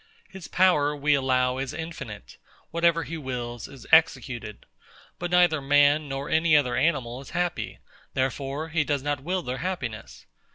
His power we allow is infinite: whatever he wills is executed: but neither man nor any other animal is happy: therefore he does not will their happiness.